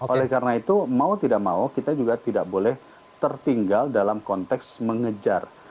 oleh karena itu mau tidak mau kita juga tidak boleh tertinggal dalam konteks mengejar